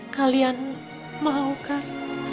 kalian mau kan